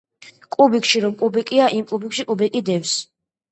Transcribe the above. კუბიკში რომ კუბიკია, იმ კუბიკში კუბიკი დევს